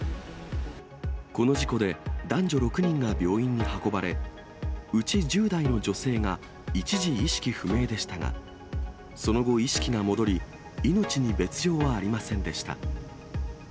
この事故で、男女６人が病院に運ばれ、うち１０代の女性が一時意識不明でしたが、その後、意識が戻り、命に別状はありませんでした。